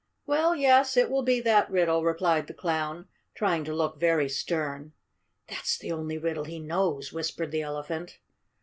"Well, yes, it will be that riddle," replied the Clown, trying to look very stern. "That's the only riddle he knows," whispered the Elephant.